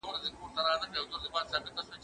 مېوې د مور له خوا وچول کيږي،